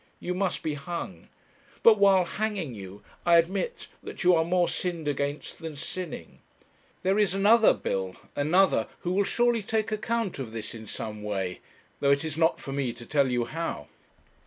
You must be hung. But, while hanging you, I admit that you are more sinned against than sinning. There is another, Bill, another, who will surely take account of this in some way, though it is not for me to tell you how.